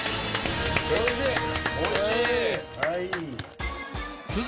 おいしい！